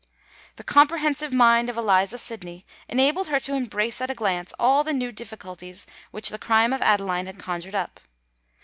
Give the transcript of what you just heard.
The comprehensive mind of Eliza Sydney enabled her to embrace at a glance all the new difficulties which the crime of Adeline had conjured up.